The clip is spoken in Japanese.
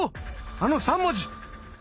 あの３文字！